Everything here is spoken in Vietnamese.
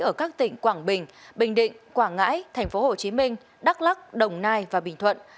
ở các tỉnh quảng bình bình định quảng ngãi tp hcm đắk lắc đồng nai và bình thuận